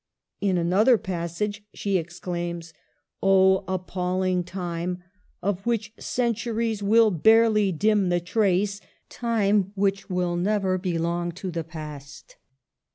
In another passage she exclaims :" Oh appalling time, of which centuries will barely dim the trace ; time which will never belong to the past